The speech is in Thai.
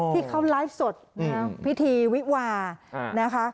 ที่เขาไลฟ์สดพิธีวิวานะคะ